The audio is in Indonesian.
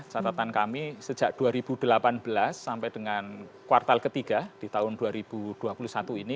catatan kami sejak dua ribu delapan belas sampai dengan kuartal ketiga di tahun dua ribu dua puluh satu ini